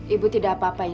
ibu tidak apa apa ina